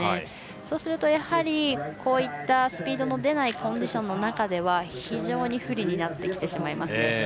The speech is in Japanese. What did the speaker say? そうするとこういったスピードの出ないコンディションの中では非常に不利になってきますね。